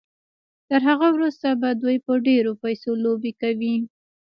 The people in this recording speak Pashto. تر هغه وروسته به دوی په ډېرو پيسو لوبې کوي.